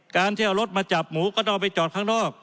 การที่เอารถมาจับหมูก็ต้องเอาไปจอดข้างนอก